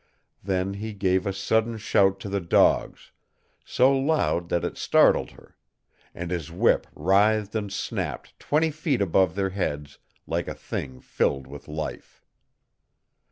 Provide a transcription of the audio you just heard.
Then he gave a sudden shout to the dogs so loud that it startled her and his whip writhed and snapped twenty feet above their heads, like a thing filled with life.